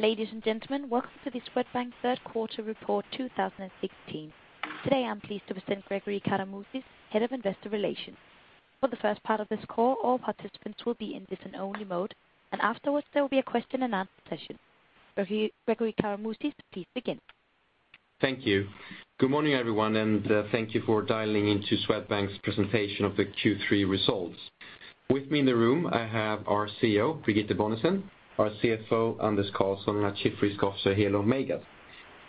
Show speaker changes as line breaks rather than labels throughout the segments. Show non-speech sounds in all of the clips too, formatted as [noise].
Ladies and gentlemen, welcome to the Swedbank third quarter report 2016. Today, I'm pleased to present Gregori Karamouzis, Head of Investor Relations. For the first part of this call, all participants will be in listen-only mode, and afterwards, there will be a question and answer session. Gregori Karamouzis, please begin.
Thank you. Good morning, everyone, and thank you for dialing into Swedbank's presentation of the Q3 results. With me in the room, I have our CEO, Birgitte Bonnesen, our CFO, Anders Karlsson, and our Chief Risk Officer, Helo Meigas.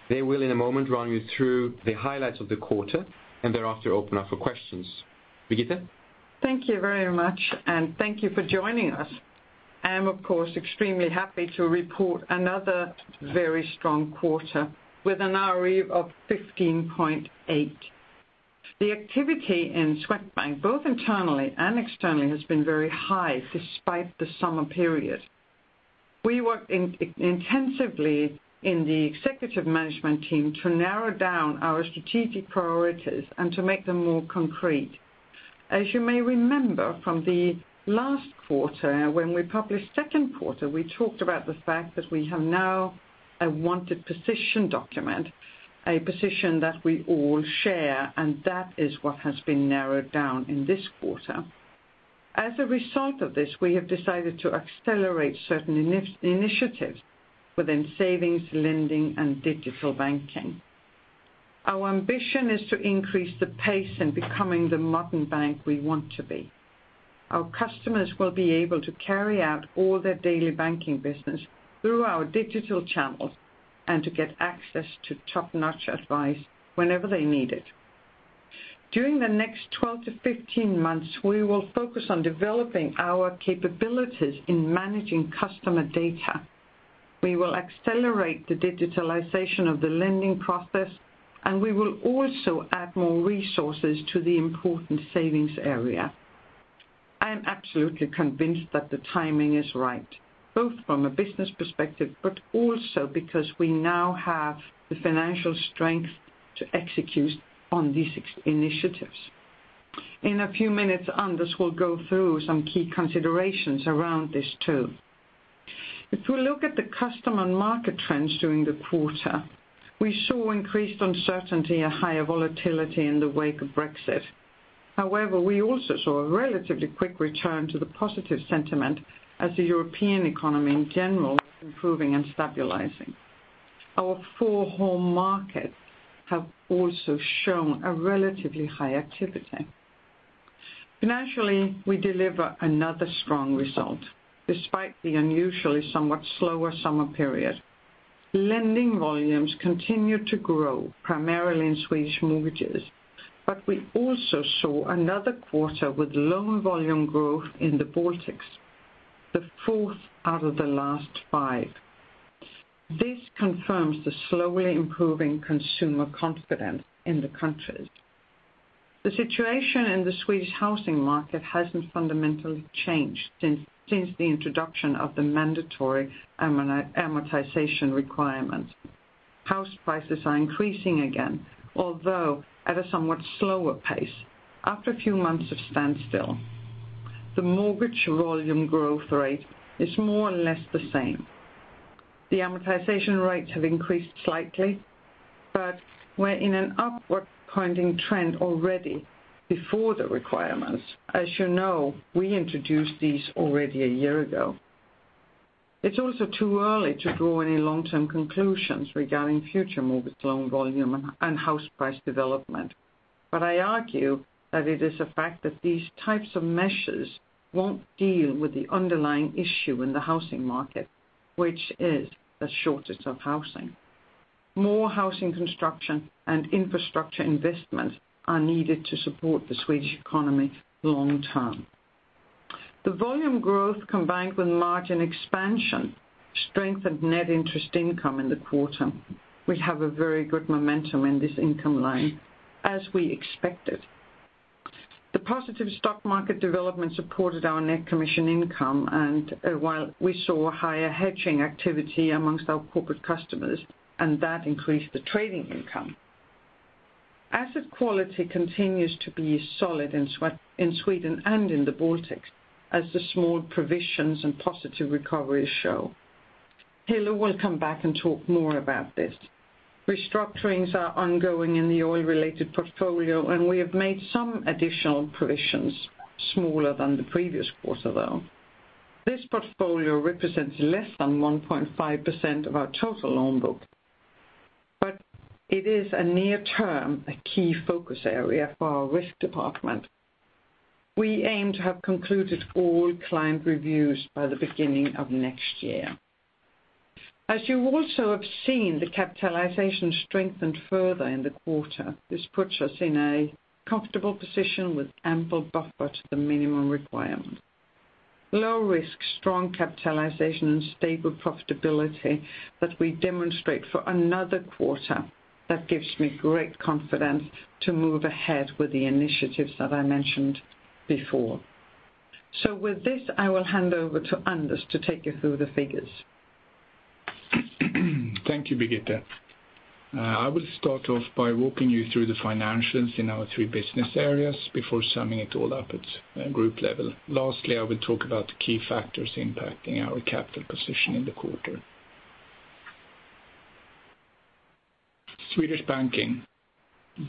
They will, in a moment, run you through the highlights of the quarter and thereafter open up for questions. Birgitte?
Thank you very much, and thank you for joining us. I am, of course, extremely happy to report another very strong quarter with an ROE of 15.8. The activity in Swedbank, both internally and externally, has been very high despite the summer period. We worked intensively in the executive management team to narrow down our strategic priorities and to make them more concrete. As you may remember from the last quarter, when we published Q2, we talked about the fact that we have now a wanted position document, a position that we all share, and that is what has been narrowed down in this quarter. As a result of this, we have decided to accelerate certain initiatives within savings, lending, and digital banking. Our ambition is to increase the pace in becoming the modern bank we want to be. Our customers will be able to carry out all their daily banking business through our digital channels and to get access to top-notch advice whenever they need it. During the next 12-15 months, we will focus on developing our capabilities in managing customer data. We will accelerate the digitalization of the lending process, and we will also add more resources to the important savings area. I am absolutely convinced that the timing is right, both from a business perspective, but also because we now have the financial strength to execute on these initiatives. In a few minutes, Anders will go through some key considerations around this, too. If we look at the customer and market trends during the quarter, we saw increased uncertainty and higher volatility in the wake of Brexit. However, we also saw a relatively quick return to the positive sentiment as the European economy, in general, improving and stabilizing. Our four home markets have also shown a relatively high activity. Financially, we deliver another strong result, despite the unusually somewhat slower summer period. Lending volumes continue to grow, primarily in Swedish mortgages, but we also saw another quarter with low volume growth in the Baltics, the fourth out of the last five. This confirms the slowly improving consumer confidence in the countries. The situation in the Swedish housing market hasn't fundamentally changed since the introduction of the mandatory amortization requirements. House prices are increasing again, although at a somewhat slower pace, after a few months of standstill. The mortgage volume growth rate is more or less the same. The amortization rates have increased slightly, but we're in an upward-pointing trend already before the requirements. As you know, we introduced these already a year ago. It's also too early to draw any long-term conclusions regarding future mortgage loan volume and house price development. But I argue that it is a fact that these types of measures won't deal with the underlying issue in the housing market, which is a shortage of housing. More housing construction and infrastructure investments are needed to support the Swedish economy long term. The volume growth, combined with margin expansion, strengthened net interest income in the quarter. We have a very good momentum in this income line, as we expected. The positive stock market development supported our net commission income, and while we saw higher hedging activity amongst our corporate customers, and that increased the trading income. Asset quality continues to be solid in Sweden and in the Baltics, as the small provisions and positive recoveries show. Helo will come back and talk more about this. Restructurings are ongoing in the oil-related portfolio, and we have made some additional provisions, smaller than the previous quarter, though. This portfolio represents less than 1.5% of our total loan book, but it is a near-term, a key focus area for our risk department. We aim to have concluded all client reviews by the beginning of next year. As you also have seen, the capitalization strengthened further in the quarter. This puts us in a comfortable position with ample buffer to the minimum requirement. Low risk, strong capitalization, and stable profitability that we demonstrate for another quarter, that gives me great confidence to move ahead with the initiatives that I mentioned before. So with this, I will hand over to Anders to take you through the figures.
Thank you, Birgitte. I will start off by walking you through the financials in our three business areas before summing it all up at group level. Lastly, I will talk about the key factors impacting our capital position in the quarter. Swedish banking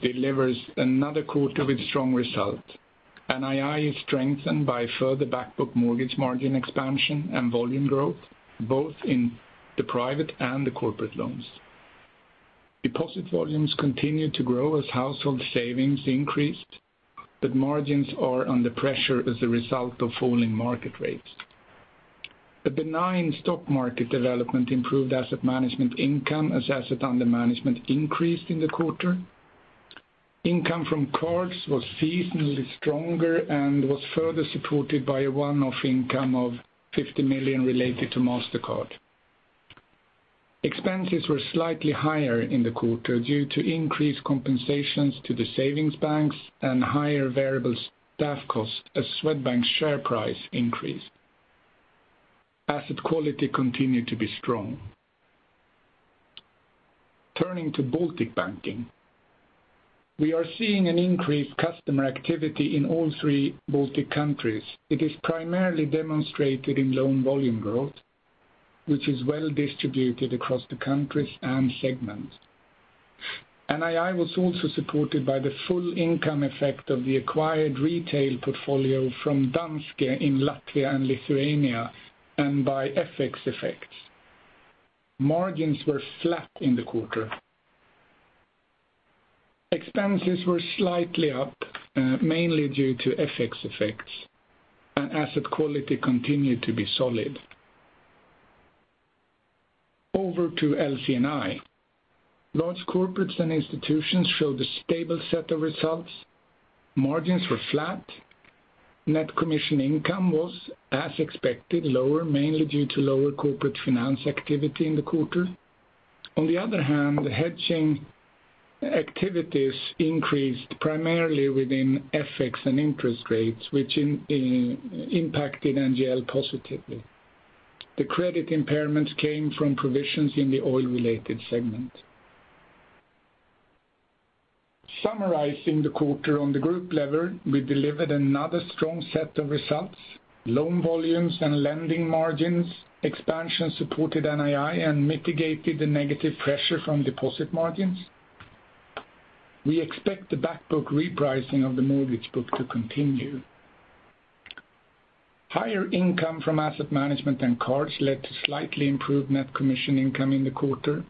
delivers another quarter with strong result. NII is strengthened by further back book mortgage margin expansion and volume growth, both in the private and the corporate loans. Deposit volumes continue to grow as household savings increased, but margins are under pressure as a result of falling market rates. The benign stock market development improved asset management income as asset under management increased in the quarter. Income from cards was seasonally stronger and was further supported by a one-off income of 50 million related to Mastercard. Expenses were slightly higher in the quarter due to increased compensations to the savings banks and higher variable staff costs as Swedbank's share price increased. Asset quality continued to be strong. Turning to Baltic Banking, we are seeing an increased customer activity in all three Baltic countries. It is primarily demonstrated in loan volume growth, which is well distributed across the countries and segments. NII was also supported by the full income effect of the acquired retail portfolio from Danske in Latvia and Lithuania, and by FX effects. Margins were flat in the quarter. Expenses were slightly up, mainly due to FX effects, and asset quality continued to be solid. Over to LCNI. Large corporates and institutions showed a stable set of results. Margins were flat. Net commission income was, as expected, lower, mainly due to lower corporate finance activity in the quarter. On the other hand, the hedging activities increased primarily within FX and interest rates, which impacted NII positively. The credit impairments came from provisions in the oil-related segment. Summarizing the quarter on the group level, we delivered another strong set of results. Loan volumes and lending margins expansion supported NII and mitigated the negative pressure from deposit margins. We expect the back book repricing of the mortgage book to continue. Higher income from asset management and cards led to slightly improved net commission income in the quarter.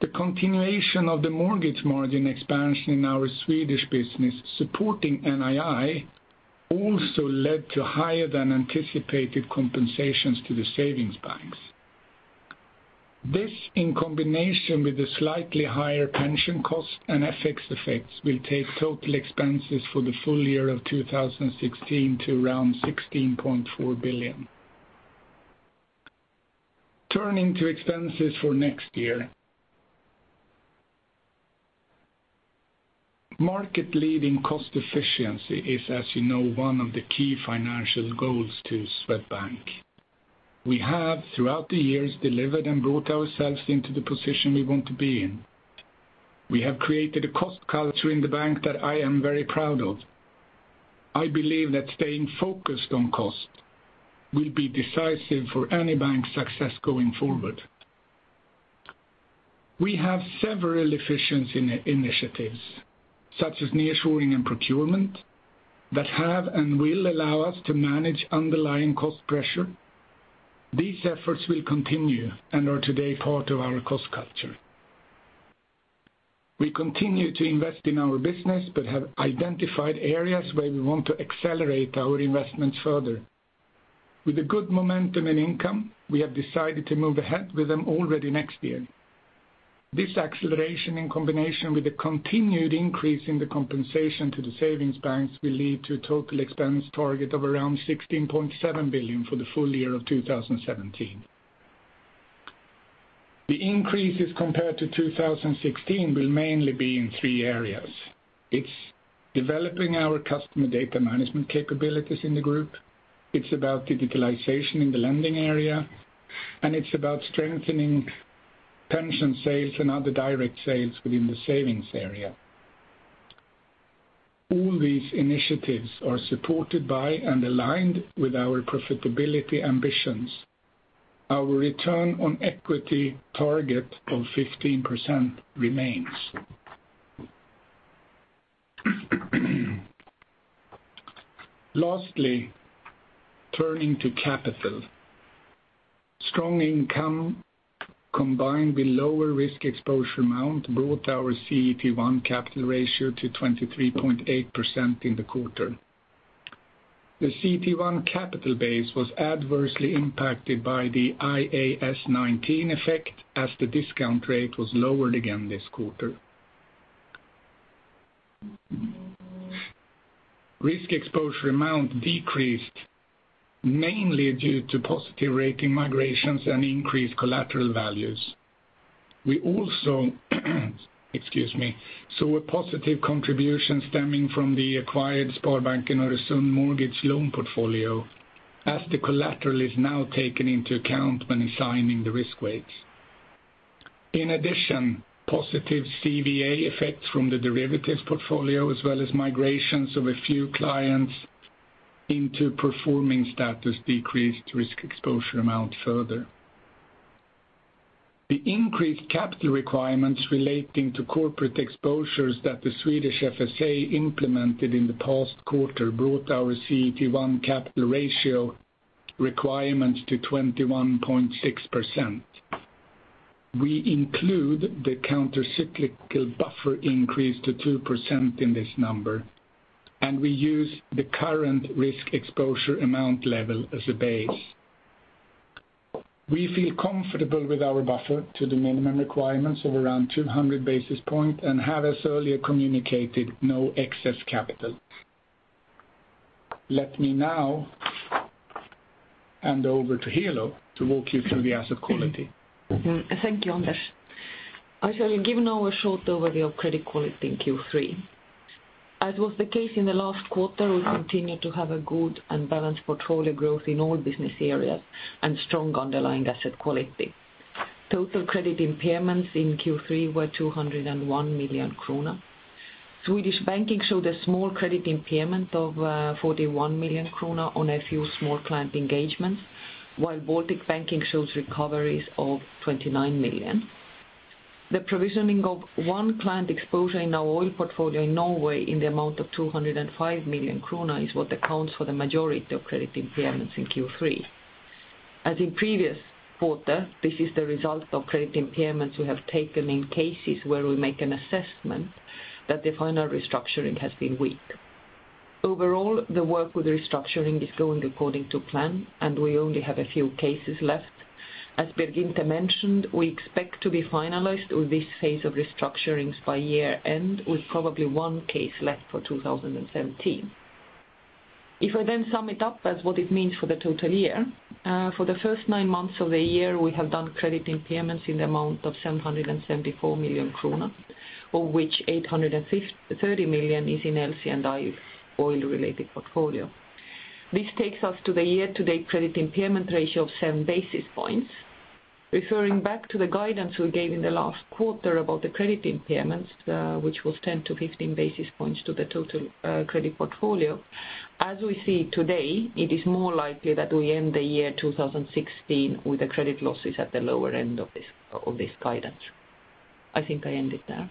The continuation of the mortgage margin expansion in our Swedish business, supporting NII, also led to higher than anticipated compensations to the savings banks. This, in combination with the slightly higher pension costs and FX effects, will take total expenses for the full year of 2016 to around SEK 16.4 billion. Turning to expenses for next year. Market-leading cost efficiency is, as you know, one of the key financial goals to Swedbank. We have, throughout the years, delivered and brought ourselves into the position we want to be in. We have created a cost culture in the bank that I am very proud of. I believe that staying focused on cost will be decisive for any bank's success going forward. We have several efficiency initiatives, such as nearshoring and procurement, that have and will allow us to manage underlying cost pressure. These efforts will continue and are today part of our cost culture. We continue to invest in our business, but have identified areas where we want to accelerate our investments further. With the good momentum and income, we have decided to move ahead with them already next year. This acceleration, in combination with the continued increase in the compensation to the savings banks, will lead to a total expense target of around 16.7 billion for the full year of 2017. The increases compared to 2016 will mainly be in three areas. It's developing our customer data management capabilities in the group, it's about digitalization in the lending area, and it's about strengthening pension sales and other direct sales within the savings area. All these initiatives are supported by and aligned with our profitability ambitions. Our return on equity target of 15% remains. Lastly, turning to capital. Strong income, combined with lower risk exposure amount, brought our CET1 capital ratio to 23.8% in the quarter. The CET1 capital base was adversely impacted by the IAS 19 effect as the discount rate was lowered again this quarter. Risk exposure amount decreased, mainly due to positive rating migrations and increased collateral values. We also, excuse me, saw a positive contribution stemming from the acquired Sparbanken Öresund mortgage loan portfolio, as the collateral is now taken into account when assigning the risk weights. In addition, positive CVA effects from the derivatives portfolio, as well as migrations of a few clients into performing status, decreased risk exposure amount further. The increased capital requirements relating to corporate exposures that the Swedish FSA implemented in the past quarter brought our CET1 capital ratio requirements to 21.6%. We include the countercyclical buffer increase to 2% in this number, and we use the current risk exposure amount level as a base. We feel comfortable with our buffer to the minimum requirements of around 200 basis points and have, as earlier communicated, no excess capital. Let me now hand over to Helo to walk you through the asset quality.
Thank you, Anders. I shall give now a short overview of credit quality in Q3. As was the case in the last quarter, we continue to have a good and balanced portfolio growth in all business areas and strong underlying asset quality. Total credit impairments in Q3 were 201 million kronor. Swedish banking showed a small credit impairment of 41 million kronor on a few small client engagements, while Baltic banking shows recoveries of 29 million. The provisioning of one client exposure in our oil portfolio in Norway in the amount of 205 million krona is what accounts for the majority of credit impairments in Q3. As in previous quarter, this is the result of credit impairments we have taken in cases where we make an assessment that the final restructuring has been weak. Overall, the work with restructuring is going according to plan, and we only have a few cases left. As Birgitte mentioned, we expect to be finalized with this phase of restructurings by year-end, with probably one case left for 2017. If I then sum it up as what it means for the total year, for the first nine months of the year, we have done credit impairments in the amount of 774 million kronor, of which 853 million is in LC&I's oil-related portfolio. This takes us to the year-to-date credit impairment ratio of 7 basis points. Referring back to the guidance we gave in the last quarter about the credit impairments, which was 10-15 basis points to the total credit portfolio, as we see today, it is more likely that we end the year 2016 with the credit losses at the lower end of this, of this guidance. I think I end it there.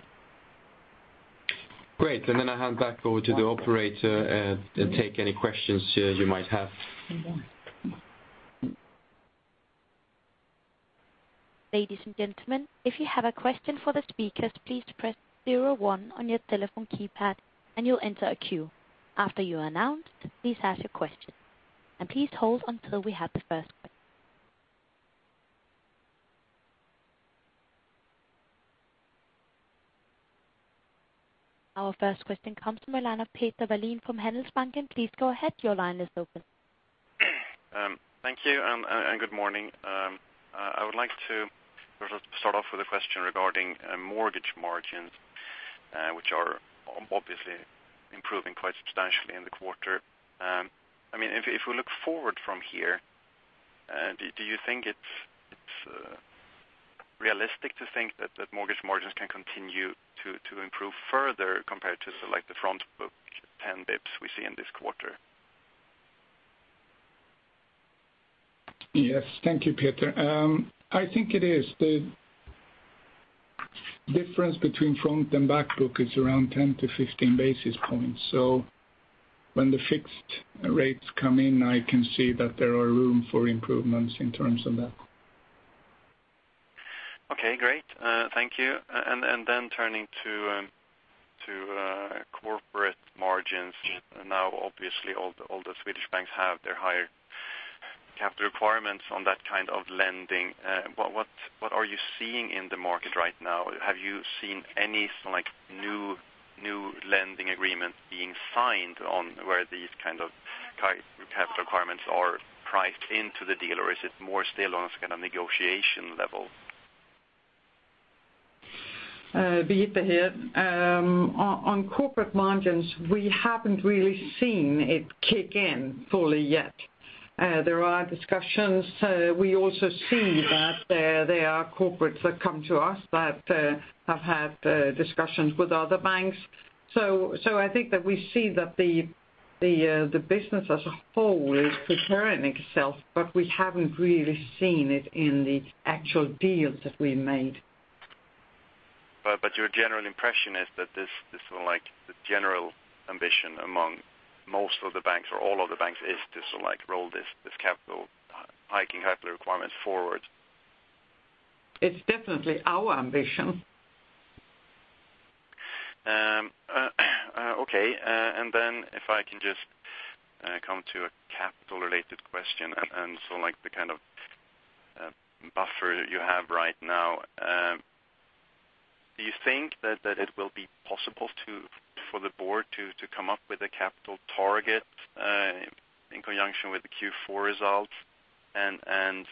Great, and then I hand back over to the operator, to take any questions, you might have.
Ladies and gentlemen, if you have a question for the speakers, please press zero one on your telephone keypad, and you'll enter a queue. After you are announced, please ask your question, and please hold until we have the first question. Our first question comes from the line of Peter Wallin from Handelsbanken. Please go ahead. Your line is open.
Thank you, and good morning. I would like to first start off with a question regarding mortgage margins, which are obviously improving quite substantially in the quarter. I mean, if we look forward from here, do you think it's realistic to think that mortgage margins can continue to improve further compared to, like, the front book 10 basis points we see in this quarter?
Yes. Thank you, Peter. I think it is. The difference between front and back book is around 10-15 basis points, so when the fixed rates come in, I can see that there are room for improvements in terms of that.
Okay, great. Thank you. And then turning to corporate margins. Now, obviously, all the Swedish banks have their higher capital requirements on that kind of lending. What are you seeing in the market right now? Have you seen any, like, new lending agreements being signed where these kind of capital requirements are priced into the deal, or is it more still on a kind of negotiation level?
Birgitte here. On corporate margins, we haven't really seen it kick in fully yet. There are discussions. We also see that there are corporates that come to us that have had discussions with other banks. So, I think that we see that the business as a whole is preparing itself, but we haven't really seen it in the actual deals that we've made.
But your general impression is that this, so like, the general ambition among most of the banks or all of the banks is to so, like, roll this capital hiking capital requirements forward?
It's definitely our ambition.
And then if I can just come to a capital-related question, and so, like, the kind of buffer you have right now. Do you think that it will be possible to—for the board to come up with a capital target in conjunction with the Q4 results? And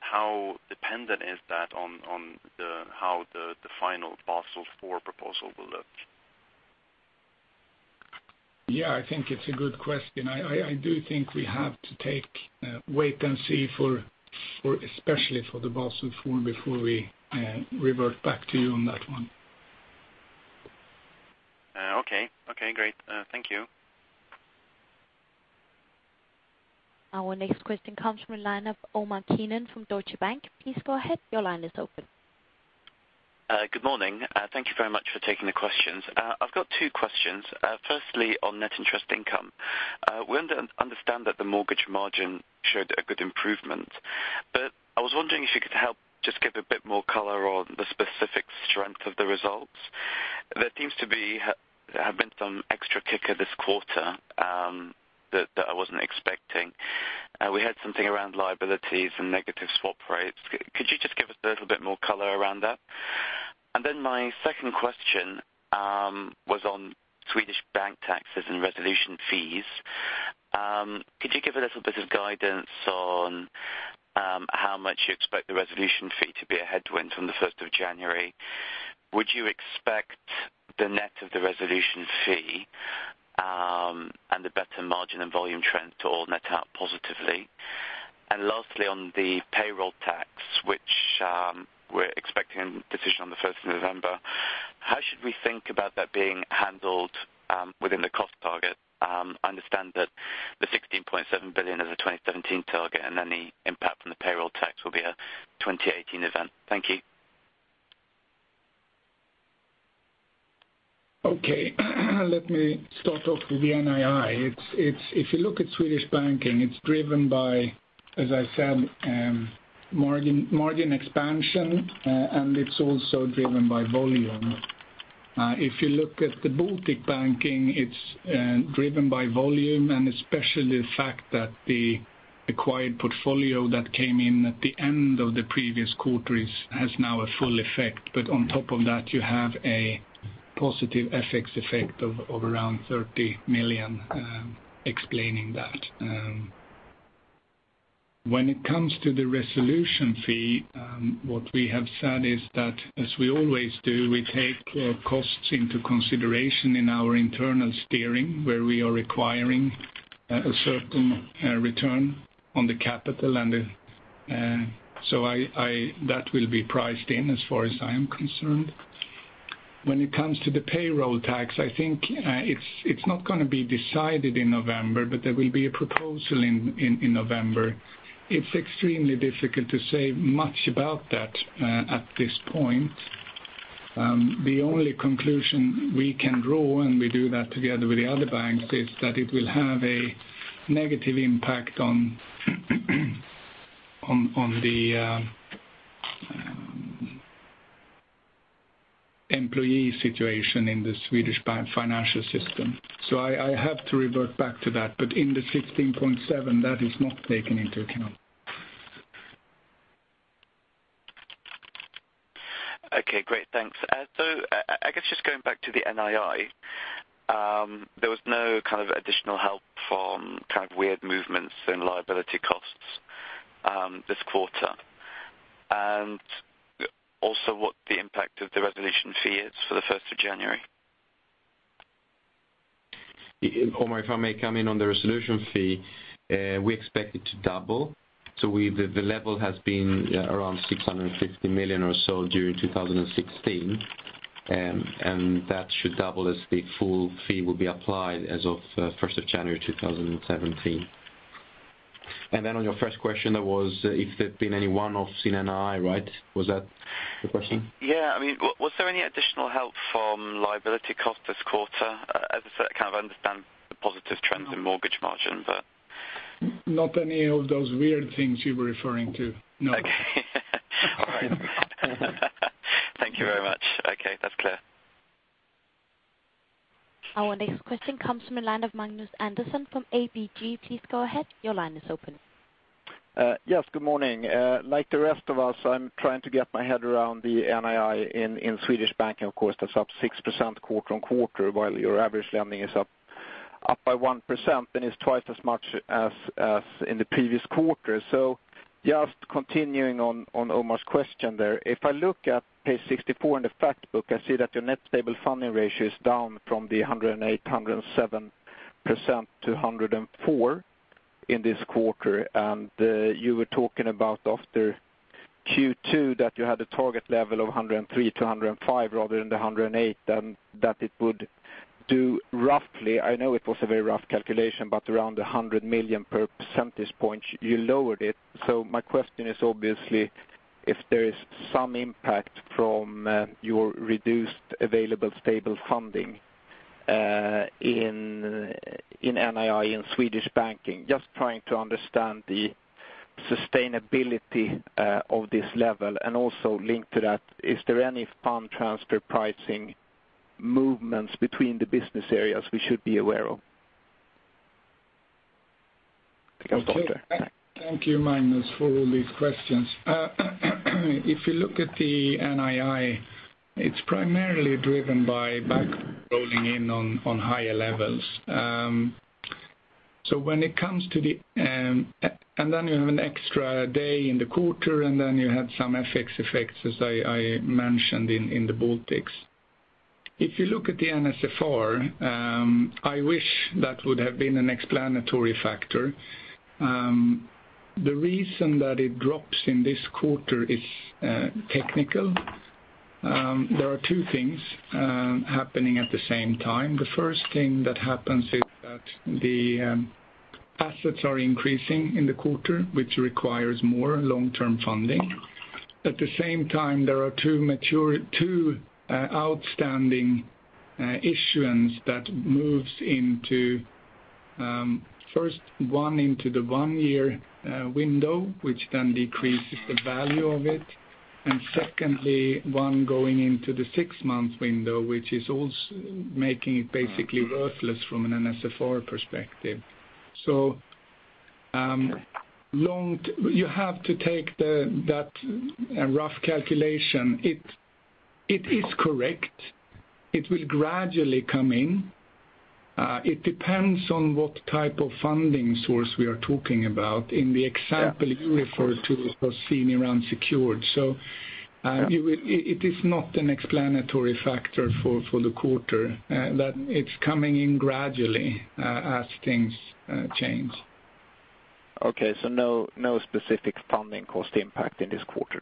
how dependent is that on how the final Basel IV proposal will look?
Yeah, I think it's a good question. I, I, I do think we have to take, wait and see for, for especially for the Basel IV before we, revert back to you on that one.
Okay. Okay, great. Thank you.
Our next question comes from the line of Omar Keenan from Deutsche Bank. Please go ahead. Your line is open.
Good morning. Thank you very much for taking the questions. I've got two questions. Firstly, on net interest income. We understand that the mortgage margin showed a good improvement, but I was wondering if you could help just give a bit more color on the specific strength of the results. There seems to have been some extra kicker this quarter that I wasn't expecting. We had something around liabilities and negative swap rates. Could you just give us a little bit more color around that? And then my second question was on Swedish bank taxes and resolution fees. Could you give a little bit of guidance on how much you expect the resolution fee to be a headwind from the first of January? Would you expect the net of the resolution fee, and the better margin and volume trend to all net out positively? And lastly, on the payroll tax, which we're expecting a decision on the first of November, how should we think about that being handled within the cost target? I understand that the 16.7 billion is a 2017 target, and any impact from the payroll tax will be a 2018 event. Thank you.
Okay. Let me start off with the NII. It's if you look at Swedish banking, it's driven by, as I said, margin expansion, and it's also driven by volume. If you look at the Baltic banking, it's driven by volume and especially the fact that the acquired portfolio that came in at the end of the previous quarter has now a full effect. But on top of that, you have a positive FX effect of around 30 million explaining that. When it comes to the resolution fee, what we have said is that, as we always do, we take costs into consideration in our internal steering, where we are requiring a certain return on the capital and the. So I that will be priced in as far as I am concerned. When it comes to the payroll tax, I think it's not gonna be decided in November, but there will be a proposal in November. It's extremely difficult to say much about that at this point. The only conclusion we can draw, and we do that together with the other banks, is that it will have a negative impact on the employee situation in the Swedish bank financial system. So I have to revert back to that, but in the 16.7, that is not taken into account.
Okay, great. Thanks. So I guess just going back to the NII, there was no kind of additional help from kind of weird movements in liability costs, this quarter? And also, what the impact of the resolution fee is for the first of January.
Omar, if I may come in on the resolution fee, we expect it to double. So we, the, the level has been around 650 million or so during 2016, and that should double as the full fee will be applied as of 1st January, 2017. And then on your first question, that was if there'd been any one-off seen NII, right? Was that the question?
Yeah. I mean, was there any additional help from liability cost this quarter? As I said, I kind of understand the positive trends in mortgage margin, but-
Not any of those weird things you were referring to, no.
All right. Thank you very much. Okay, that's clear.
Our next question comes from the line of Magnus Andersson from ABG. Please go ahead. Your line is open.
Yes, good morning. Like the rest of us, I'm trying to get my head around the NII in Swedish banking. Of course, that's up 6% quarter-on-quarter, while your average lending is up by 1%, and it's twice as much as in the previous quarter. So just continuing on Omar's question there. If I look at page 64 in the fact book, I see that your net stable funding ratio is down from the 108, 107% to 104 in this quarter. And you were talking about after Q2, that you had a target level of 103%-105%, rather than the 108, and that it would do roughly, I know it was a very rough calculation, but around 100 million per percentage point, you lowered it. So my question is obviously, if there is some impact from your reduced available stable funding in NII in Swedish banking. Just trying to understand the sustainability of this level, and also linked to that, is there any fund transfer pricing movements between the business areas we should be aware of?
Thank you, Magnus, for all these questions. If you look at the NII, it's primarily driven by bank rolling in on, on higher levels. When it comes to the, a- and then you have an extra day in the quarter, and then you had some FX effects, as I mentioned in the Baltics. If you look at the NSFR, I wish that would have been an explanatory factor. The reason that it drops in this quarter is technical. There are two things happening at the same time. The first thing that happens is that the assets are increasing in the quarter, which requires more long-term funding. At the same time, there are two mature, two outstanding issuance that moves into, first, one into the one-year window, which then decreases the value of it. And secondly, one going into the six-month window, which is also making it basically worthless from an NSFR perspective. So, long t- you have to take the, that, rough calculation. It, it is correct. It will gradually come in. It depends on what type of funding source we are talking about. In the example you referred to, was seen around secured. So,
Yeah.
It is not an explanatory factor for the quarter, but it's coming in gradually as things change.
Okay, so no, no specific funding cost impact in this quarter,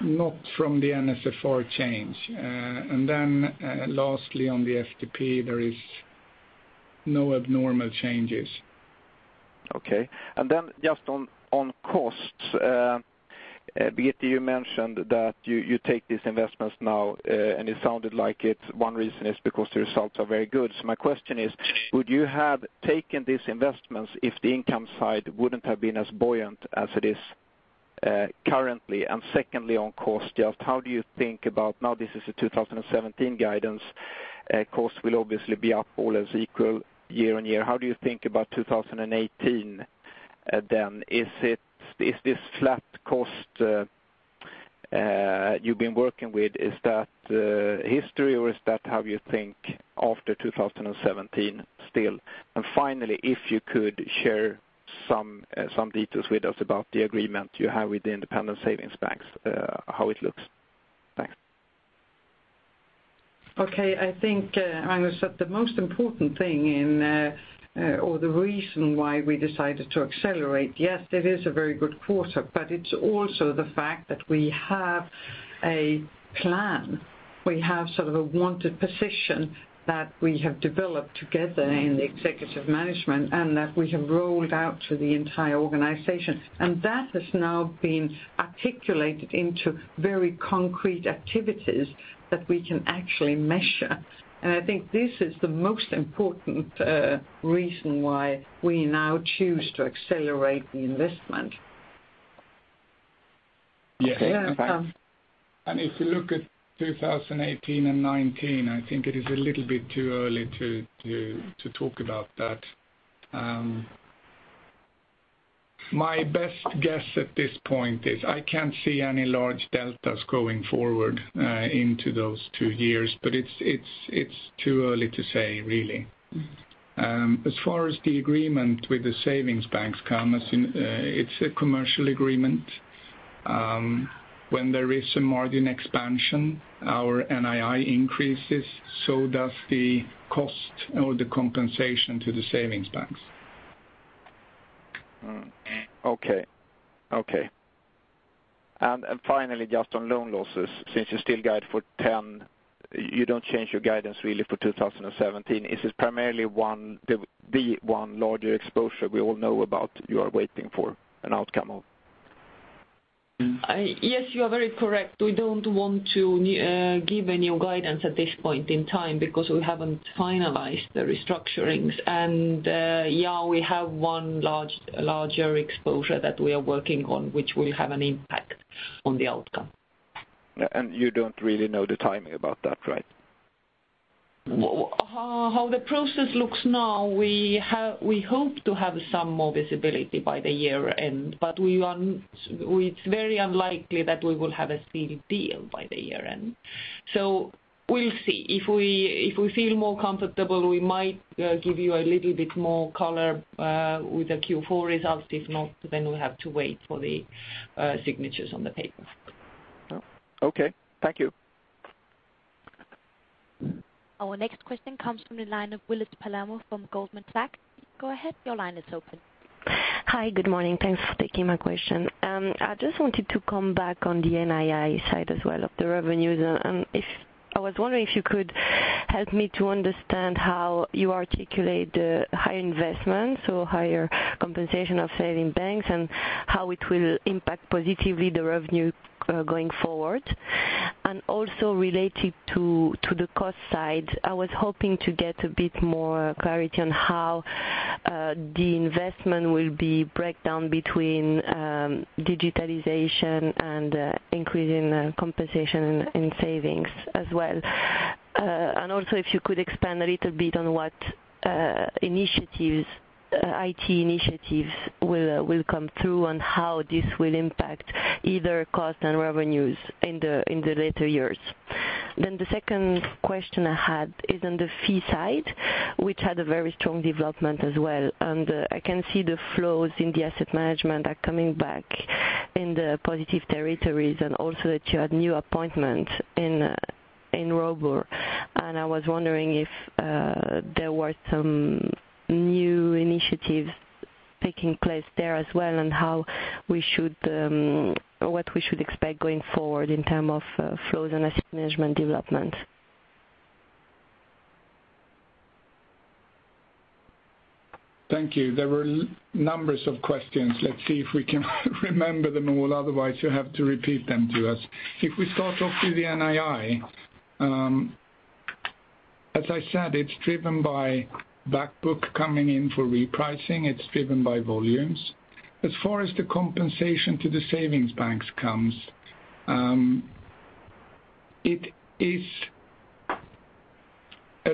then?
Not from the NSFR change. And then, lastly, on the FTP, there is no abnormal changes.
Okay. Then just on costs, Birgitte, you mentioned that you take these investments now, and it sounded like it, one reason is because the results are very good. So my question is, would you have taken these investments if the income side wouldn't have been as buoyant as it is, currently? And secondly, on costs, just how do you think about... Now, this is a 2017 guidance, costs will obviously be up, all else equal, year on year. How do you think about 2018, then? Is it, is this flat costs you've been working with, is that history, or is that how you think after 2017 still? Finally, if you could share some details with us about the agreement you have with the independent savings banks, how it looks? Thanks.
Okay. I think, Magnus, that the most important thing, or the reason why we decided to accelerate, yes, it is a very good quarter, but it's also the fact that we have a plan. We have sort of a wanted position that we have developed together in the executive management, and that we have rolled out to the entire organization. And that has now been articulated into very concrete activities that we can actually measure. And I think this is the most important reason why we now choose to accelerate the investment.
Yeah.
Okay.
If you look at 2018 and 2019, I think it is a little bit too early to talk about that. My best guess at this point is I can't see any large deltas going forward into those two years, but it's too early to say, really. As far as the agreement with the savings banks comes, as in, it's a commercial agreement. When there is a margin expansion, our NII increases, so does the cost or the compensation to the savings banks.
Finally, just on loan losses, since you still guide for 10, you don't change your guidance really for 2017. Is this primarily the one larger exposure we all know about you are waiting for an outcome of?
Yes, you are very correct. We don't want to give a new guidance at this point in time because we haven't finalized the restructurings. And, yeah, we have one large, larger exposure that we are working on, which will have an impact on the outcome.
You don't really know the timing about that, right?
Well, how the process looks now, we hope to have some more visibility by the year end, but it's very unlikely that we will have a sealed deal by the year end. So we'll see. If we feel more comfortable, we might give you a little bit more color with the Q4 results. If not, then we'll have to wait for the signatures on the paper.
Oh, okay. Thank you.
Our next question comes from the line of Willis Palermo from Goldman Sachs. Go ahead, your line is open.
Hi, good morning. Thanks for taking my question. I just wanted to come back on the NII side as well, of the revenues. And I was wondering if you could help me to understand how you articulate the higher investments or higher compensation of savings banks, and how it will impact positively the revenue, going forward. And also related to the cost side, I was hoping to get a bit more clarity on how the investment will be breakdown between digitalization and increase in compensation and savings as well. And also, if you could expand a little bit on what initiatives IT initiatives will come through, and how this will impact either cost and revenues in the later years? Then the second question I had is on the fee side, which had a very strong development as well. And, I can see the flows in the asset management are coming back in the positive territories and also that you had new appointments in Robur. And I was wondering if there were some new initiatives taking place there as well, and how we should or what we should expect going forward in terms of flows and asset management development?
Thank you. There were numbers of questions. Let's see if we can remember them all, otherwise you'll have to repeat them to us. If we start off with the NII, as I said, it's driven by back book coming in for repricing. It's driven by volumes. As far as the compensation to the savings banks comes, it is a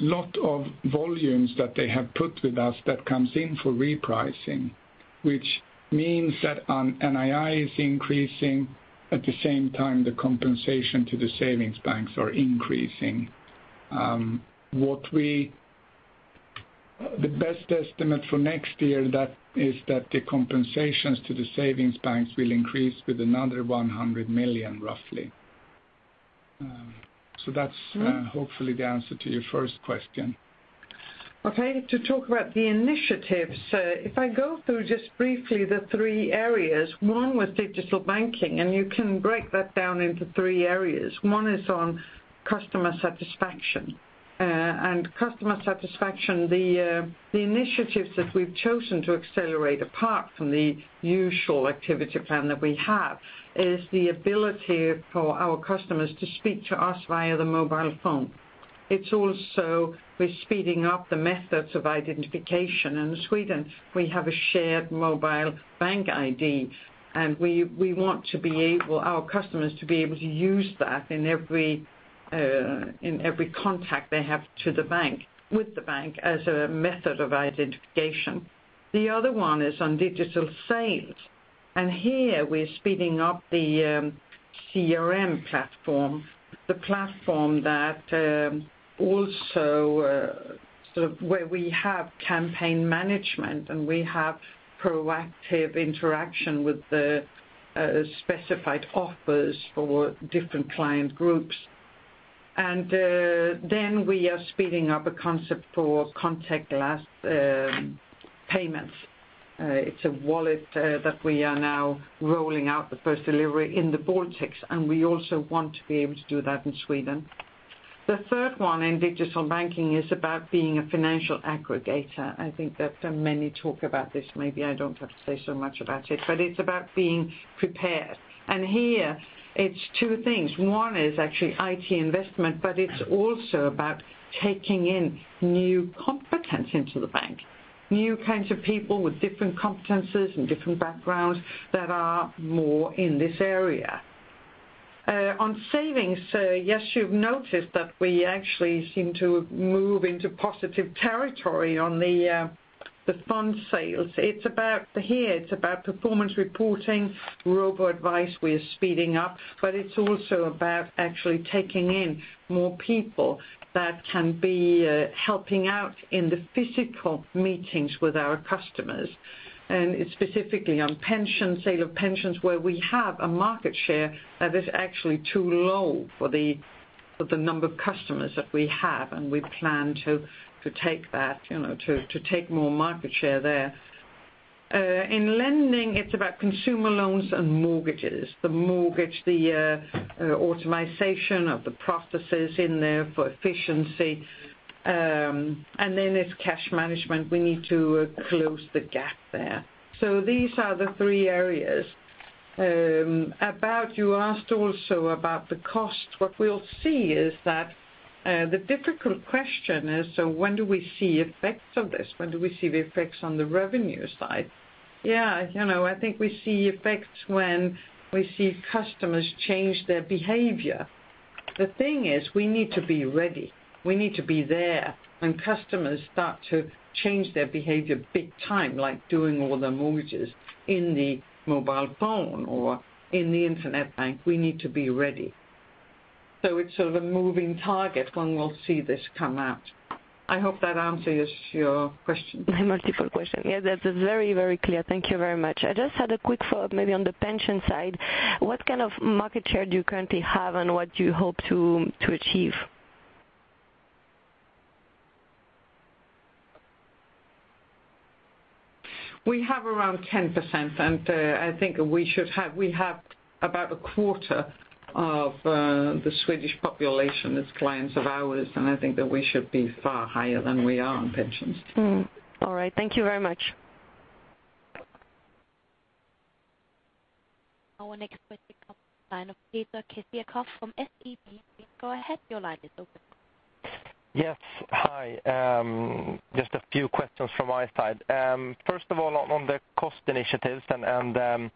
lot of volumes that they have put with us that comes in for repricing, which means that on NII is increasing, at the same time, the compensation to the savings banks are increasing. The best estimate for next year, that is that the compensations to the savings banks will increase with another 100 million, roughly. So that's, hopefully the answer to your first question.
Okay, to talk about the initiatives, if I go through just briefly the three areas, one was digital banking, and you can break that down into three areas. One is on customer satisfaction. Customer satisfaction, the initiatives that we've chosen to accelerate, apart from the usual activity plan that we have, is the ability for our customers to speak to us via the mobile phone. It's also we're speeding up the methods of identification. In Sweden, we have a shared mobile bank ID, and we want our customers to be able to use that in every contact they have to the bank, with the bank as a method of identification. The other one is on digital sales, and here we're speeding up the CRM platform, the platform that also sort of where we have campaign management, and we have proactive interaction with the specified offers for different client groups. And then we are speeding up a concept for contactless payments. It's a wallet that we are now rolling out the first delivery in the Baltics, and we also want to be able to do that in Sweden. The third one in digital banking is about being a financial aggregator. I think that many talk about this, maybe I don't have to say so much about it, but it's about being prepared. And here, it's two things. One is actually IT investment, but it's also about taking in new competence into the bank, new kinds of people with different competencies and different backgrounds that are more in this area. On savings, yes, you've noticed that we actually seem to move into positive territory on the, the fund sales. It's about, here, it's about performance reporting, robo-advice we are speeding up, but it's also about actually taking in more people that can be, helping out in the physical meetings with our customers. And it's specifically on pension, sale of pensions, where we have a market share that is actually too low for the, for the number of customers that we have, and we plan to, to take that, you know, to, to take more market share there. In lending, it's about consumer loans and mortgages. The mortgage, the automation of the processes in there for efficiency, and then it's cash management. We need to close the gap there. So these are the three areas. About you asked also about the cost. What we'll see is that, the difficult question is, so when do we see effects of this? When do we see the effects on the revenue side? Yeah, you know, I think we see effects when we see customers change their behavior. The thing is, we need to be ready. We need to be there when customers start to change their behavior big time, like doing all their mortgages in the mobile phone or in the internet bank, we need to be ready. So it's sort of a moving target when we'll see this come out. I hope that answers your question.
My multiple question. Yes, that's very, very clear. Thank you very much. I just had a quick follow-up, maybe on the pension side. What kind of market share do you currently have, and what do you hope to, to achieve?
We have around 10%, and I think we should have. We have about a quarter of the Swedish population as clients of ours, and I think that we should be far higher than we are on pensions.
Mm. All right. Thank you very much.
Our next question comes from the line of Peter Kessiakoff from SEB. Go ahead, your line is open.
Yes. Hi, just a few questions from my side. First of all, on the cost initiatives and,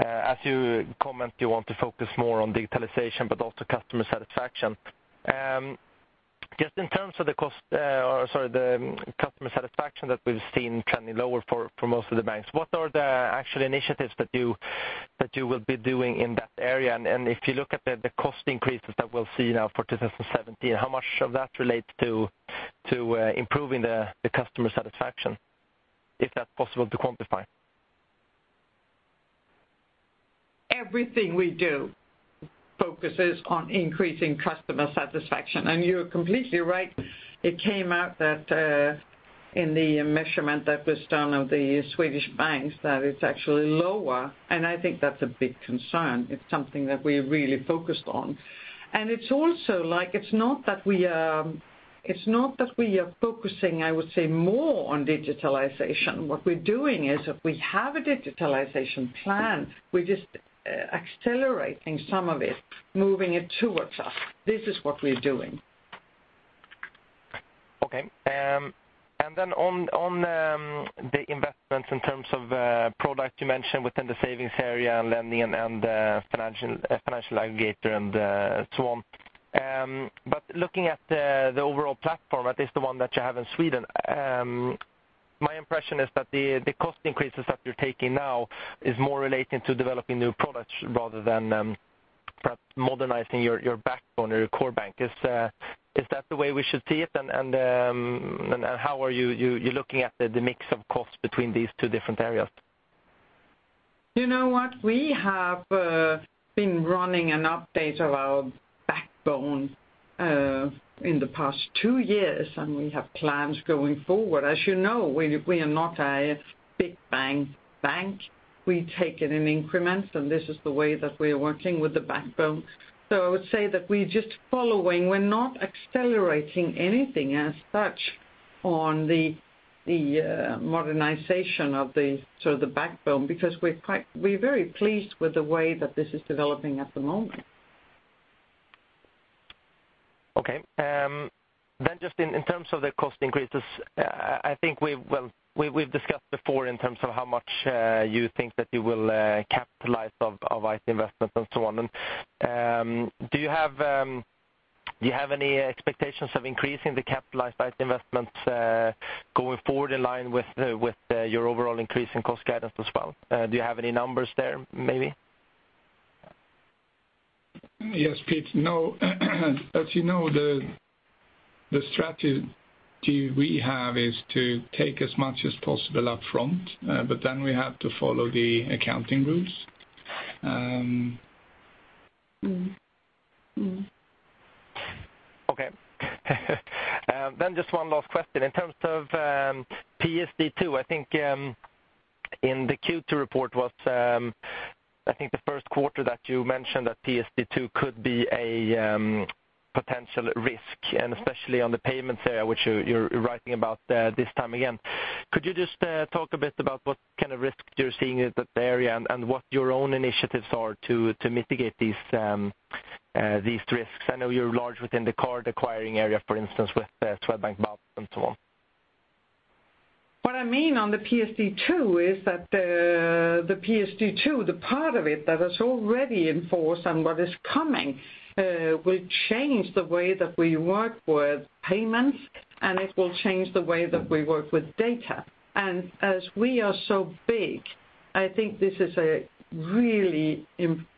as you comment, you want to focus more on digitalization, but also customer satisfaction. Just in terms of the cost, or sorry, the customer satisfaction that we've seen trending lower for most of the banks, what are the actual initiatives that you will be doing in that area? And if you look at the cost increases that we'll see now for 2017, how much of that relates to improving the customer satisfaction, if that's possible to quantify?
Everything we do focuses on increasing customer satisfaction. You're completely right, it came out that, in the measurement that was done of the Swedish banks, that it's actually lower, and I think that's a big concern. It's something that we're really focused on. It's also like, it's not that we are, it's not that we are focusing, I would say, more on digitalization. What we're doing is if we have a digitalization plan, we're just, accelerating some of it, moving it towards us. This is what we're doing.
Okay. And then on the investments in terms of product you mentioned within the savings area and lending and financial aggregator and so on. But looking at the overall platform, at least the one that you have in Sweden, my impression is that the cost increases that you're taking now is more relating to developing new products rather than perhaps modernizing your backbone or your core bank. Is that the way we should see it? And how are you looking at the mix of costs between these two different areas?
You know what? We have been running an update of our backbone in the past two years, and we have plans going forward. As you know, we are not a big bank bank. We take it in increments, and this is the way that we're working with the backbone. So I would say that we're just following. We're not accelerating anything as such on the modernization of the backbone, because we're quite, we're very pleased with the way that this is developing at the moment.
Okay. Then just in terms of the cost increases, I think we've, well, we've discussed before in terms of how much you think that you will capitalize of IT investments and so on. Do you have any expectations of increasing the capitalized IT investments going forward in line with your overall increase in cost guidance as well? Do you have any numbers there, maybe?
Yes, Pete. No, as you know, the strategy we have is to take as much as possible up front, but then we have to follow the accounting rules.
Mm-hmm. Mm-hmm.
Okay. Then just one last question. In terms of, PSD2, I think, in the Q2 report was, I think the first quarter that you mentioned that PSD2 could be a, potential risk, and especially on the payments area, which you, you're writing about, this time again. Could you just, talk a bit about what kind of risk you're seeing in that area and, and what your own initiatives are to, to mitigate these, these risks? I know you're large within the card acquiring area, for instance, with, Swedbank and so on.
What I mean on the PSD2 is that the PSD2, the part of it that is already enforced and what is coming, will change the way that we work with payments, and it will change the way that we work with data. And as we are so big, I think this is a really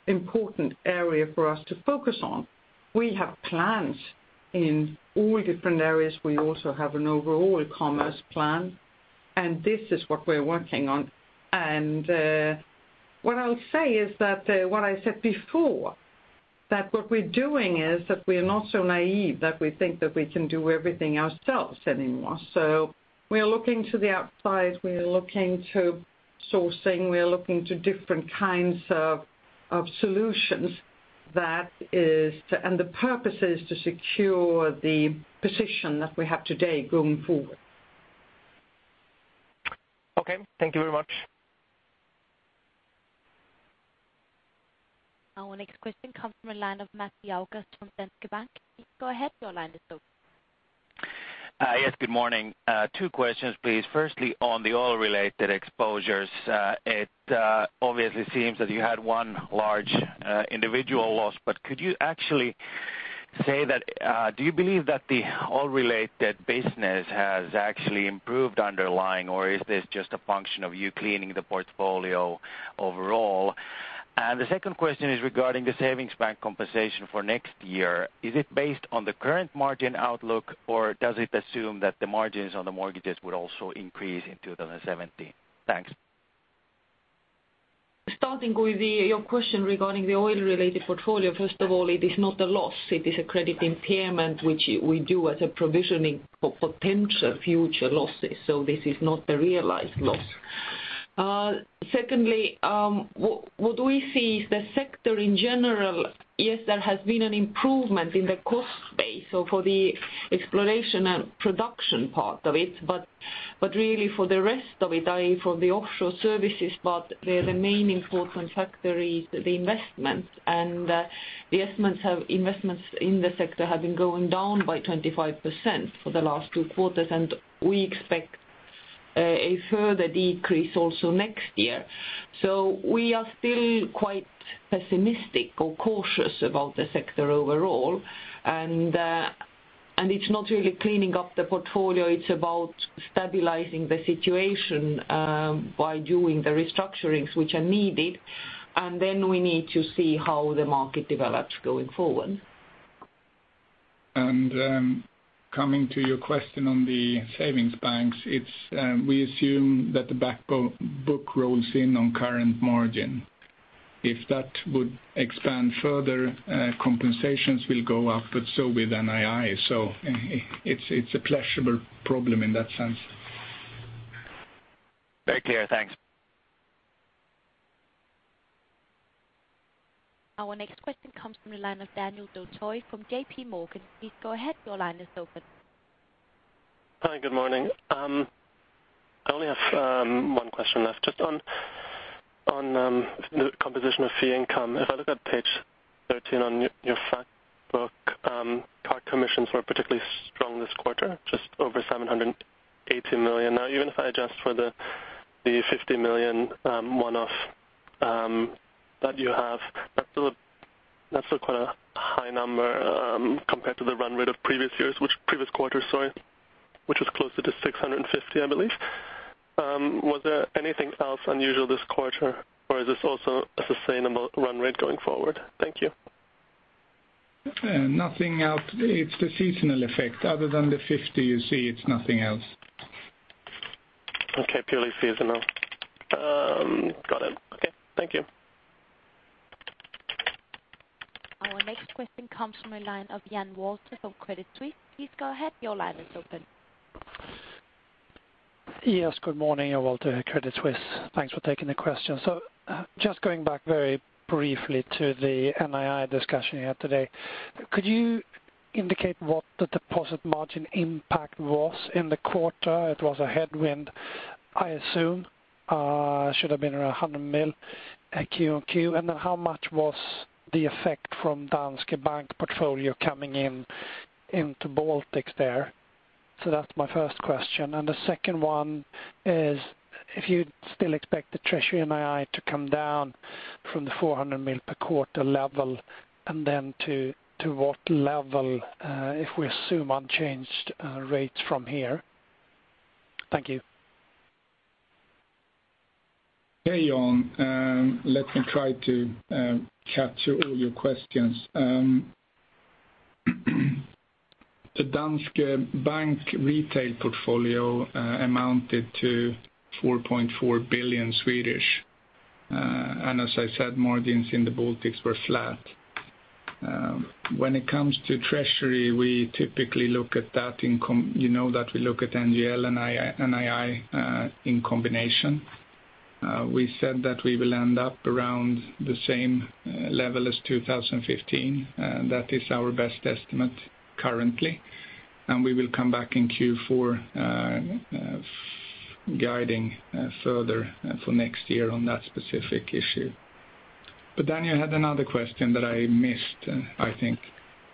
important area for us to focus on. We have plans in all different areas. We also have an overall commerce plan, and this is what we're working on. And, what I'll say is that, what we're doing is that we are not so naive that we think that we can do everything ourselves anymore. So we are looking to the outside, we are looking to sourcing, we are looking to different kinds of solutions that is to... The purpose is to secure the position that we have today going forward.
Okay. Thank you very much.
Our next question comes from the line of Matti Ahokas from Danske Bank. Go ahead, your line is open.
Yes, good morning. Two questions, please. Firstly, on the oil-related exposures, it obviously seems that you had one large individual loss. But could you actually say that, do you believe that the oil-related business has actually improved underlying, or is this just a function of you cleaning the portfolio overall? And the second question is regarding the savings bank compensation for next year. Is it based on the current margin outlook, or does it assume that the margins on the mortgages would also increase in 2017? Thanks.
Starting with your question regarding the oil-related portfolio. First of all, it is not a loss. It is a credit impairment, which we do as a provisioning for potential future losses, so this is not a realized loss. Secondly, what we see is the sector in general, yes, there has been an improvement in the cost base, so for the exploration and production part of it. But really for the rest of it, i.e., for the offshore services part, the remaining important factor is the investment. And investments in the sector have been going down by 25% for the last two quarters, and we expect-... a further decrease also next year. So we are still quite pessimistic or cautious about the sector overall, and, and it's not really cleaning up the portfolio, it's about stabilizing the situation, by doing the restructurings which are needed, and then we need to see how the market develops going forward.
Coming to your question on the savings banks, it's we assume that the back book rolls in on current margin. If that would expand further, compensations will go up, but so with NII. So it's a pleasurable problem in that sense.
Very clear. Thanks.
Our next question comes from the line of Daniel Dontsov from JP Morgan. Please go ahead, your line is open.
Hi, good morning. I only have one question left, just on the composition of fee income. If I look at page 13 on your fact book, card commissions were particularly strong this quarter, just over 780 million. Now, even if I adjust for the 50 million one-off that you have, that's still quite a high number compared to the run rate of previous years, which previous quarters, sorry, which was closer to 650 million, I believe. Was there anything else unusual this quarter, or is this also a sustainable run rate going forward? Thank you.
Nothing else. It's the seasonal effect. Other than the 50 you see, it's nothing else.
Okay, purely seasonal. Got it. Okay, thank you.
Our next question comes from the line of Jan Wolter from Credit Suisse. Please go ahead. Your line is open.
Yes, good morning, Walter, Credit Suisse. Thanks for taking the question. So just going back very briefly to the NII discussion you had today, could you indicate what the deposit margin impact was in the quarter? It was a headwind, I assume. Should have been around 100 million Q-on-Q. And then how much was the effect from Danske Bank portfolio coming in, into Baltics there? So that's my first question. And the second one is if you still expect the treasury NII to come down from the 400 million per quarter level, and then to what level, if we assume unchanged rates from here? Thank you.
Hey, Jan. Let me try to capture all your questions. The Danske Bank retail portfolio amounted to 4.4 billion. And as I said, margins in the Baltics were flat. When it comes to treasury, we typically look at that in—you know that we look at NGL, NII, NII, in combination. We said that we will end up around the same level as 2015, and that is our best estimate currently, and we will come back in Q4, guiding further for next year on that specific issue. But then you had another question that I missed, I think.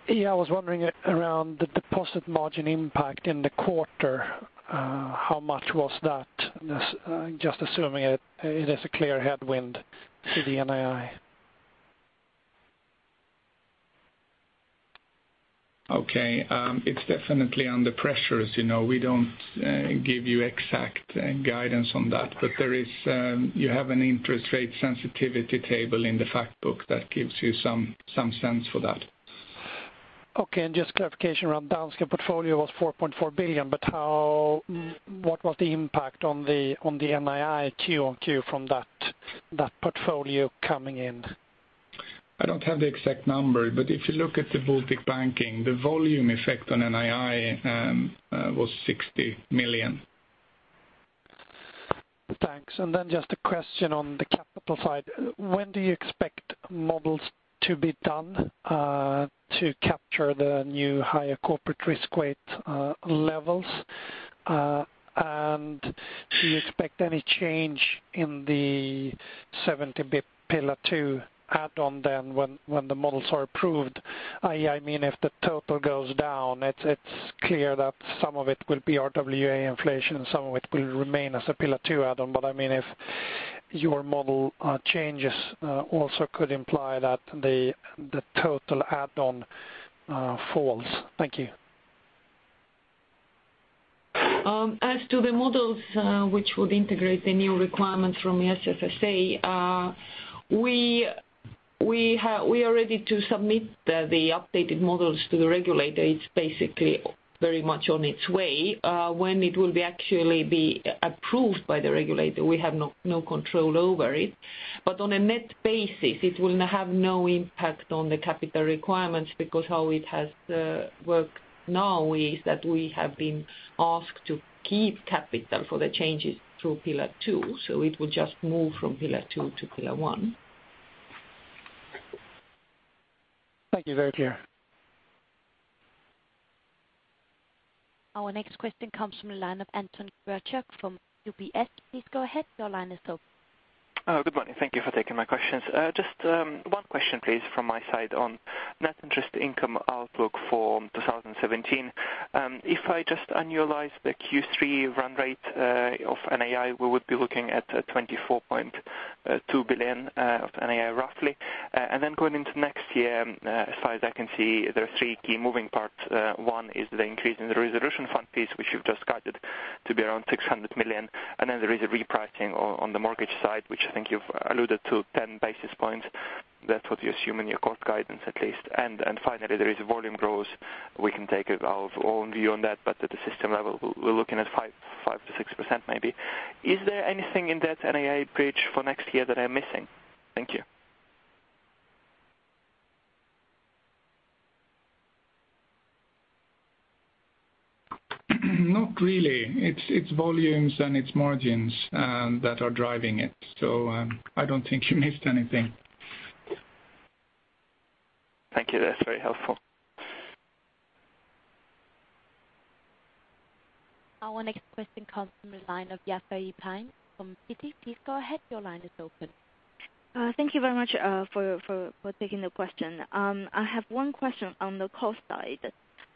Yeah, I was wondering around the deposit margin impact in the quarter, how much was that? Just, just assuming it, it is a clear headwind to the NII.
Okay. It's definitely under pressures. You know, we don't give you exact guidance on that, but there is, you have an interest rate sensitivity table in the fact book that gives you some, some sense for that.
Okay. Just clarification around Danske portfolio was 4.4 billion, but how, what was the impact on the NII Q on Q from that portfolio coming in?
I don't have the exact number, but if you look at the Baltic banking, the volume effect on NII was SEK 60 million.
Thanks. And then just a question on the capital side. When do you expect models to be done to capture the new higher corporate risk weight levels? And do you expect any change in the 70 basis points Pillar Two add-on then when the models are approved? I mean, if the total goes down, it's clear that some of it will be RWA inflation, and some of it will remain as a Pillar Two add-on. But I mean, if your model changes, also could imply that the total add-on falls. Thank you.
As to the models, which would integrate the new requirements from the SSSA, we are ready to submit the updated models to the regulator. It's basically very much on its way. When it will actually be approved by the regulator, we have no control over it. But on a net basis, it will have no impact on the capital requirements, because how it has worked now is that we have been asked to keep capital for the changes through Pillar Two, so it will just move from Pillar Two to Pillar One.
Thank you. Very clear.
Our next question comes from the line of Anton Berchuk from UBS. Please go ahead, your line is open.
...Oh, good morning. Thank you for taking my questions. Just one question, please, from my side on net interest income outlook for 2017. If I just annualize the Q3 run rate of NII, we would be looking at 24.2 billion of NII, roughly. And then going into next year, as far as I can see, there are three key moving parts. One is the increase in the resolution fund piece, which you've just guided to be around 600 million. And then there is a repricing on the mortgage side, which I think you've alluded to 10 basis points. That's what you assume in your core guidance, at least. And finally, there is volume growth. We can take our own view on that, but at the system level, we're looking at 5%-6% maybe. Is there anything in that NAI page for next year that I'm missing? Thank you.
Not really. It's, it's volumes and it's margins, that are driving it. So, I don't think you missed anything.
Thank you. That's very helpful.
Our next question comes from the line of Yafei Tian from Citi. Please go ahead. Your line is open.
Thank you very much, for taking the question. I have one question on the cost side.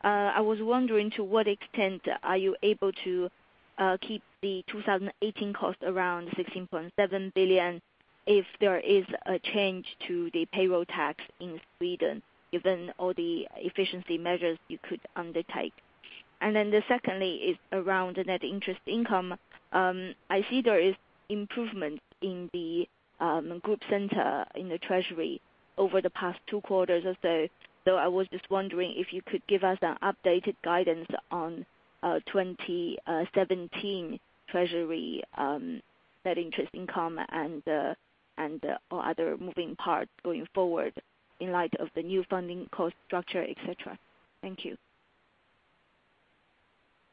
I was wondering, to what extent are you able to keep the 2018 cost around 16.7 billion if there is a change to the payroll tax in Sweden, given all the efficiency measures you could undertake? And then the secondly is around the net interest income. I see there is improvement in the group center in the treasury over the past two quarters or so. So I was just wondering if you could give us an updated guidance on 2017 treasury net interest income and, and, or other moving parts going forward in light of the new funding cost structure, et cetera. Thank you.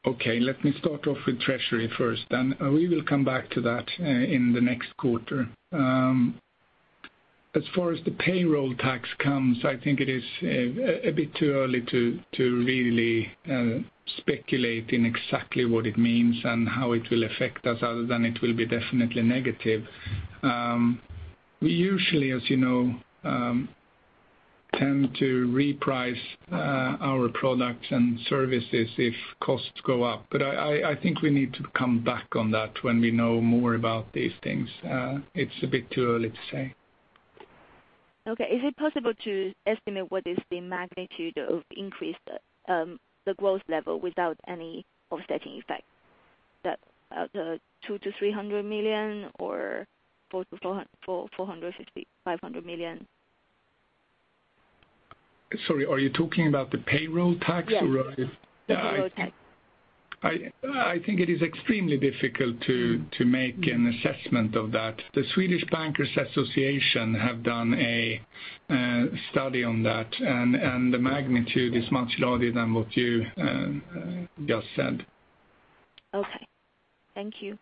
Okay, let me start off with treasury first, and we will come back to that in the next quarter. As far as the payroll tax comes, I think it is a bit too early to really speculate in exactly what it means and how it will affect us, other than it will be definitely negative. We usually, as you know, tend to reprice our products and services if costs go up. But I think we need to come back on that when we know more about these things. It's a bit too early to say.
Okay. Is it possible to estimate what is the magnitude of increase, the growth level without any offsetting effect? That, the SEK 200 million-SEK 300 million or 400 million-450 million, 500 million?
Sorry, are you talking about the payroll tax or?
Yes, the payroll tax.
I think it is extremely difficult to-
Mm.
to make an assessment of that. The Swedish Bankers' Association have done a study on that, and, and the magnitude is much larger than what you just said.
Okay. Thank you.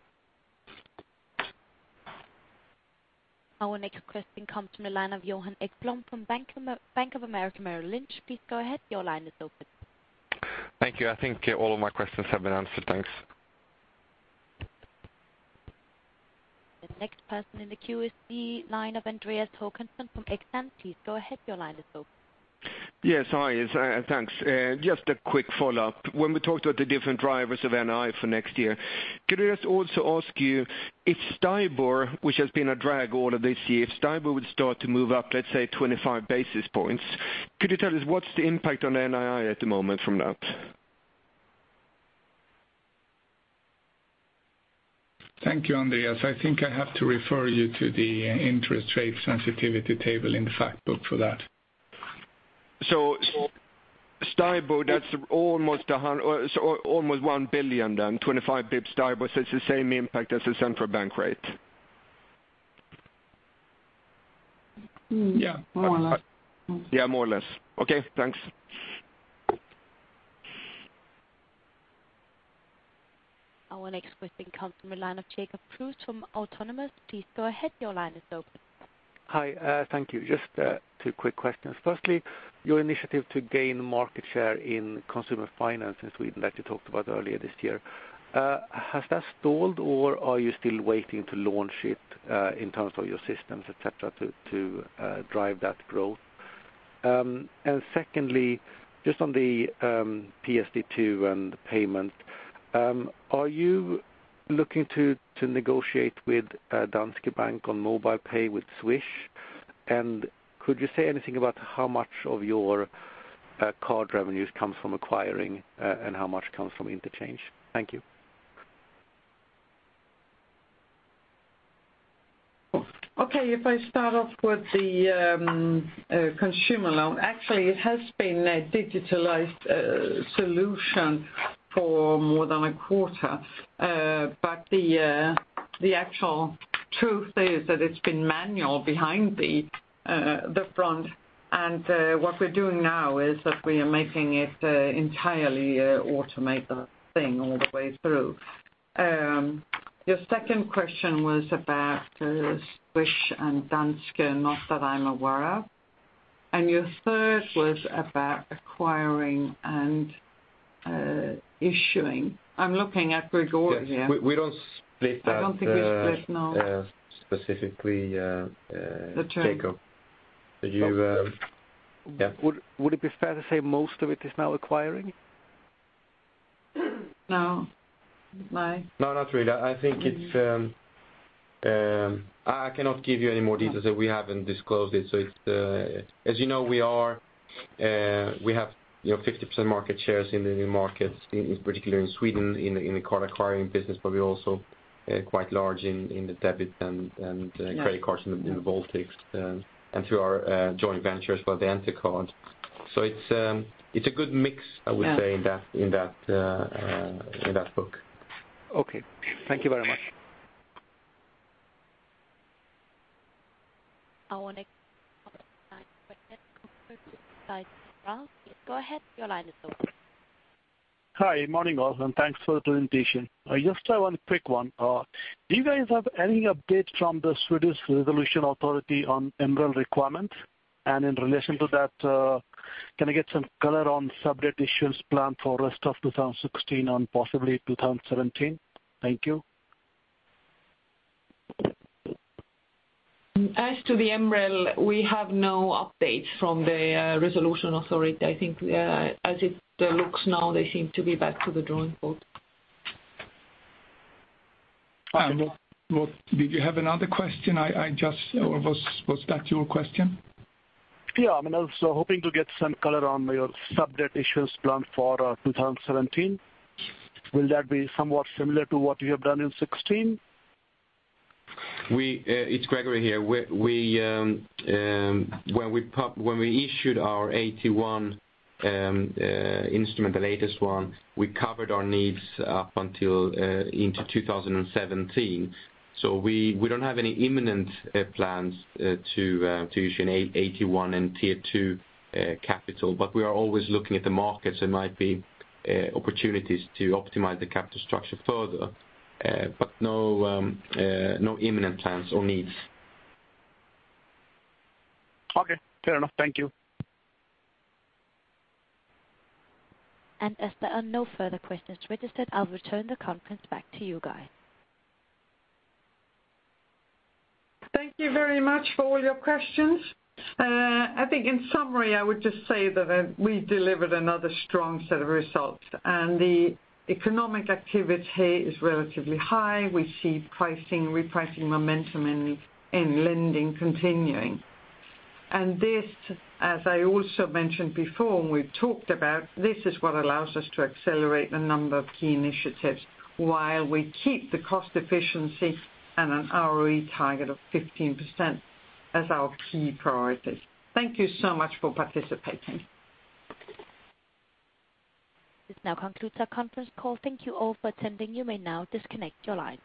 Our next question comes from the line of Johan Ekblom from Bank of America Merrill Lynch. Please go ahead. Your line is open.
Thank you. I think all of my questions have been answered. Thanks.
The next person in the queue is the line of Andreas Håkansson from XN. Please go ahead. Your line is open.
Yes, hi, thanks. Just a quick follow-up. When we talked about the different drivers of NII for next year, could I just also ask you if STIBOR, which has been a drag all of this year, if STIBOR would start to move up, let's say, 25 basis points, could you tell us what's the impact on NII at the moment from that?
Thank you, Andreas. I think I have to refer you to the interest rate sensitivity table in the fact book for that.
So, STIBOR, that's almost SEK 1 billion, then. 25 basis points STIBOR, so it's the same impact as the central bank rate.
Mm, yeah, more or less.
Yeah, more or less. Okay, thanks.
Our next question comes from the line of Jacob Kruse from Autonomous. Please go ahead. Your line is open.
Hi, thank you. Just, two quick questions. Firstly, your initiative to gain market share in consumer finance in Sweden that you talked about earlier this year, has that stalled, or are you still waiting to launch it, in terms of your systems, et cetera, to drive that growth? And secondly, just on the, PSD2 and payment, are you looking to negotiate with, Danske Bank on MobilePay with Swish? And could you say anything about how much of your, card revenues comes from acquiring, and how much comes from interchange? Thank you.
Okay, if I start off with the consumer loan. Actually, it has been a digitalized solution for more than a quarter. But the actual truth is that it's been manual behind the front, and what we're doing now is that we are making it entirely a automated thing all the way through. Your second question was about Swish and Danske. Not that I'm aware of.... And your third was about acquiring and issuing. I'm looking at Gregori here.
Yes, we don't split that-
I don't think we split, no.
Specifically,
The term.
Jacob. Did you, yeah.
Would it be fair to say most of it is now acquiring?
No, my-
No, not really. I think it's... I cannot give you any more details that we haven't disclosed it. So it's, as you know, we are, we have, you know, 50% market shares in the new markets, in particular in Sweden, in the, in the card acquiring business, but we're also, quite large in, in the debit and, and-
Yes
-credit cards in the Baltics and through our joint venture as well, the EnterCard. So it's a good mix-
Yeah
I would say, in that book.
Okay. Thank you very much.
Our next line, [inaudible] go ahead. Your line is open.
Hi, morning, all, and thanks for the presentation. I just have one quick one. Do you guys have any update from the Swedish Resolution Authority on MREL requirement? And in relation to that, can I get some color on sub debt issues planned for rest of 2016 and possibly 2017? Thank you.
As to the MREL, we have no updates from the resolution authority. I think, as it looks now, they seem to be back to the drawing board.
Okay.
What? Did you have another question? I just, or was that your question?
Yeah, I mean, I was hoping to get some color on your sub debt issues planned for 2017. Will that be somewhat similar to what you have done in 2016?
It's Gregori here. When we issued our AT1 instrument, the latest one, we covered our needs up until into 2017. So we don't have any imminent plans to issue an AT1 and Tier 2 capital, but we are always looking at the markets. There might be opportunities to optimize the capital structure further, but no imminent plans or needs.
Okay, fair enough. Thank you.
As there are no further questions registered, I'll return the conference back to you guys.
Thank you very much for all your questions. I think in summary, I would just say that, we delivered another strong set of results, and the economic activity is relatively high. We see pricing, repricing momentum in lending continuing. And this, as I also mentioned before, and we've talked about, this is what allows us to accelerate a number of key initiatives while we keep the cost efficiency and an ROE target of 15% as our key priorities. Thank you so much for participating.
This now concludes our conference call. Thank you all for attending. You may now disconnect your lines.